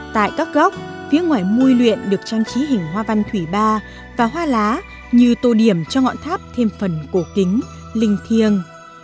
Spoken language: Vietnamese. tại các góc phía ngoài môi luyện được trang trí hình hoa văn thủy ba và hoa lá như tô điểm cho ngọn tháp thêm phần cổ kính linh thiêng